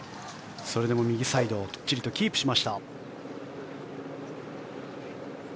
それでも右サイドきっちりキープしました。